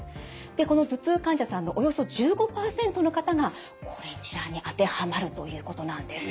でこの頭痛患者さんのおよそ１５％の方がこれ一覧に当てはまるということなんです。